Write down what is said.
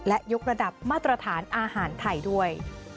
และยกระดับมาตรฐานอาหารไทยด้วย